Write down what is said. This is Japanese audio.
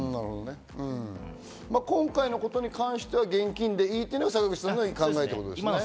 今回の事に関しては現金でいいというのが坂口さんの考えですね。